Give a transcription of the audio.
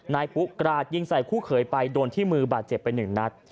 ปุ๊กราดยิงใส่คู่เขยไปโดนที่มือบาดเจ็บไปหนึ่งนัด